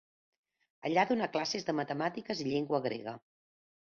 Allà donà classes de matemàtiques i llengua grega.